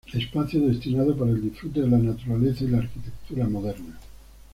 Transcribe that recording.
Espacio destinado para el disfrute de la naturaleza y la arquitectura moderna.